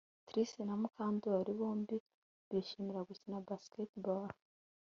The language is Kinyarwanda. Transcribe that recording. Trix na Mukandoli bombi bishimira gukina basketball